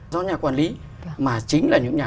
do nhà quản lý mà chính là những nhà